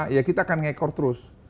ya kita akan ngekor terus